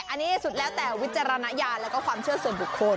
อันนี้สุดแล้วแต่วิจารณญาณแล้วก็ความเชื่อส่วนบุคคล